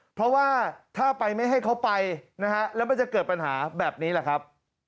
เพราะว่าถ้าไปไม่ให้เขาไปนะฮะแล้วมันจะเกิดปัญหาแบบนี้แหละครับ